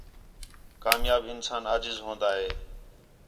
کامیاب انسان عاجز ہون٘دا ہے